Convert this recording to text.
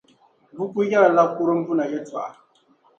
Buku yɛrla kurumbuna yɛltɔɣa.